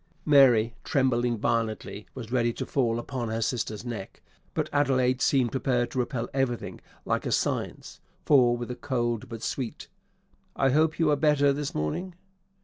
_ Mary, trembling violently, was ready to fall upon her sister's neck, but Adelaide seemed prepared to repel everything like a _scènce _for, with a cold, but sweet, "I hope you are better this morning?"